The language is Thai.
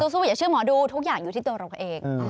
สู้อย่าชื่อหมอดูทุกอย่างอยู่ที่ตัวเราเอง